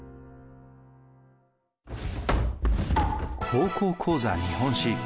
「高校講座日本史」。